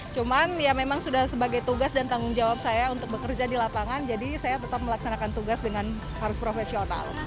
cuman ya memang sudah sebagai tugas dan tanggung jawab saya untuk bekerja di lapangan jadi saya tetap melaksanakan tugas dengan harus profesional